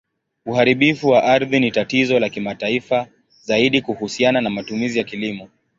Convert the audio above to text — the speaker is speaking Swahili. Uharibifu wa ardhi ni tatizo la kimataifa, zaidi kuhusiana na matumizi ya kilimo.